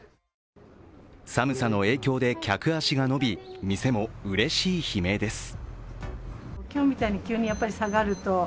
寒さの影響で客足が伸び店もうれしい悲鳴です。